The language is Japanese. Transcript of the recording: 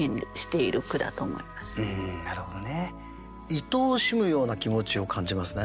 いとおしむような気持ちを感じますね。